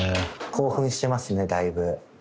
興奮してますねだいぶ。